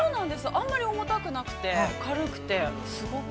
あんまり重たくなくて、軽くてすごく。